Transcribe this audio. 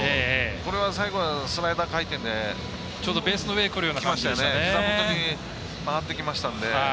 これは最後はスライダー回転でちょうどベースの上にひざ元に回ってきましたので。